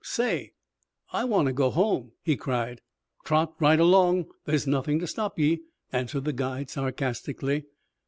"Say, I want to go home," he cried. "Trot right along. There's nothing to stop ye," answered the guide sarcastically.